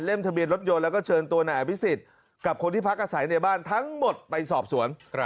ทะเบียนรถยนต์แล้วก็เชิญตัวนายอภิษฎกับคนที่พักอาศัยในบ้านทั้งหมดไปสอบสวน